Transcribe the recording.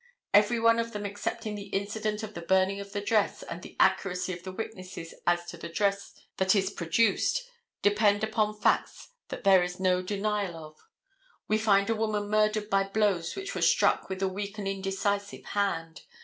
Every one of them excepting the incident of the burning of the dress and the accuracy of the witnesses as to the dress that is produced, depend upon facts that there is no denial of. We find a woman murdered by blows which were struck with a weak and indecisive hand.